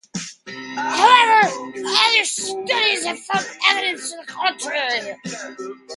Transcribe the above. However, other studies have found evidence to the contrary.